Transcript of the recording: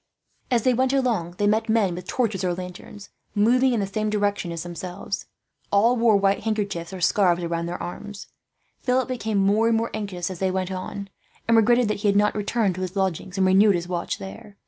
As they went along, they met men with torches or lanterns, moving in the same direction as themselves. All wore white handkerchiefs or scarves round their arms. Philip became more and more anxious as they went on, and regretted that he had not returned to his lodgings and renewed his watch there.